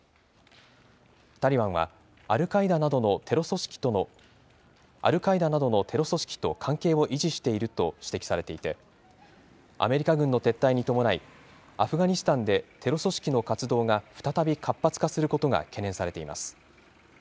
タリバンは、アルカイダなどのテロ組織と関係を維持していると指摘されていて、アメリカ軍の撤退に伴い、アフガニスタンでテロ組織の活動が再び活発化することが懸念されています。